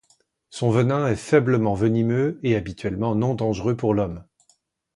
Son venin est faiblement venimeux et habituellement non dangereux pour l'Homme.